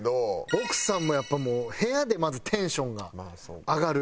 奥さんもやっぱ部屋でまずテンションが上がる。